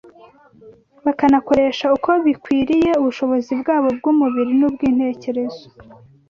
bakanakoresha uko bikwiriye ubushobozi bwabo bw’umubiri n’ubw’intekerezo